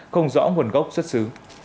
không rõ nguồn gốc xuất xứ